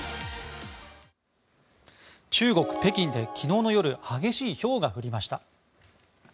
中国・北京で昨日の夜激しいひょうが降りました。